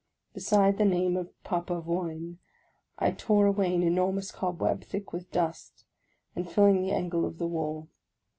Beside the name of Papavoine, I tore away an enormous cobweb, thick with dust, and filling the angle of the wall.